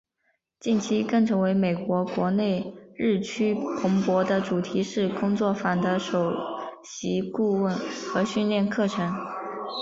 近期更成为美国国内日趋蓬勃的主题式工作坊的首席顾问和训练课程。